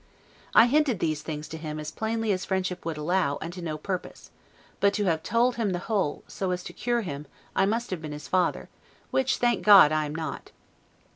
I hinted these things to him as plainly as friendship would allow, and to no purpose; but to have told him the whole, so as to cure him, I must have been his father, which, thank God, I am not.